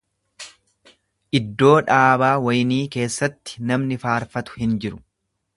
Iddoo dhaabaa waynii keessatti namni faarfatu hin jiru.